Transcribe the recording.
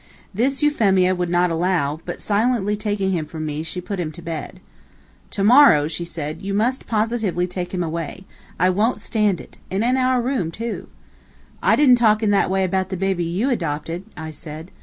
This Euphemia would not allow, but silently taking him from me, she put him to bed. "To morrow," she said, "you must positively take him away. I wont stand it. And in our room, too." "I didn't talk in that way about the baby you adopted," I said.